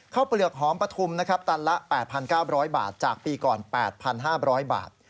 ข้าวเปลือกหอมปะทุมตันละ๘๙๐๐บาทจากปีก่อน๘๕๐๐บาท